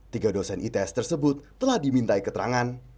tiga dosen its tersebut telah dimintai keterangan